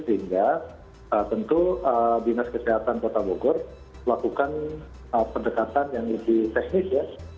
sehingga tentu dinas kesehatan kota bogor melakukan pendekatan yang lebih teknis ya